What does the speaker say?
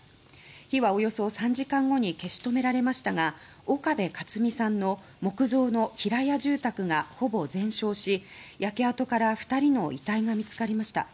火はおよそ３時間後に消し止められましたが岡部克己さんの木造の平屋住宅がほぼ全焼し焼け跡から２人の遺体が見つかりました。